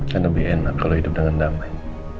saya lebih enak kalau hidup dengan damai